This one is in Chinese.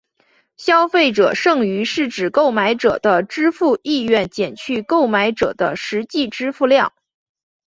消费者剩余是指购买者的支付意愿减去购买者的实际支付量。